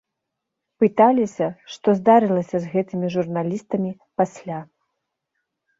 Пыталіся, што здарылася з гэтымі журналістамі пасля.